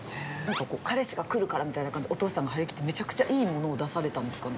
彼氏が来るからみたいな感じで、お父さんが張り切って、めちゃくちゃいいものを出されたんですかね？